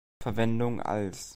Verwendung als